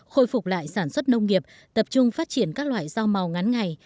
khôi phục lại sản xuất nông nghiệp tập trung phát triển các loại rau màu ngắn ngày